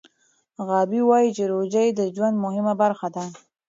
غابي وايي چې روژه یې د ژوند مهمه برخه ده.